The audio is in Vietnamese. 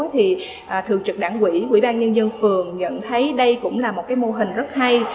thì thường trực đảng quỹ quỹ ban nhân dân phường nhận thấy đây cũng là một cái mô hình rất hay